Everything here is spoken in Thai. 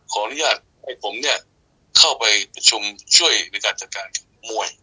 ขออนุญาตให้ผมเนี่ยเข้าไปประชุมช่วยในการจัดการมวย